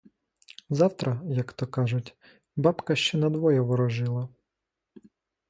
Завтра, як то кажуть, бабка ще надвоє ворожила!